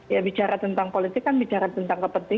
ya bicara tentang politik kan bicara tentang kepentingan